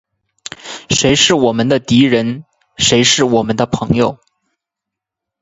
谁是我们的敌人？谁是我们的朋友？